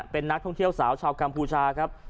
เป็นนักท่องเที่ยวสาวชาวกัมพูชาครับ